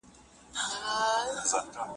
عشق د دوی نومونه هسک په ټول جهان کړل